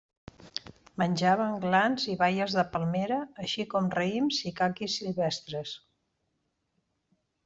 Menjaven glans i baies de palmera així com raïms i caquis silvestres.